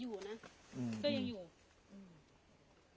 อยู่นะ